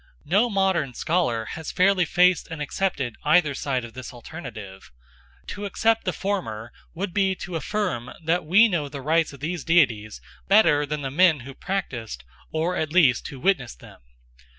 No modern scholar has fairly faced and accepted either side of this alternative. To accept the former would be to affirm that we know the rites of these deities better than the men who practised, or at least who witnessed them.